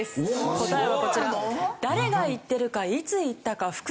答えはこちら。